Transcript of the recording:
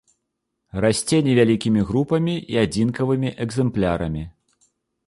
Расце невялікімі групамі і адзінкавымі экземплярамі.